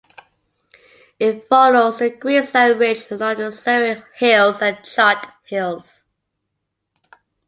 It follows the Greensand Ridge along the Surrey Hills and Chart Hills.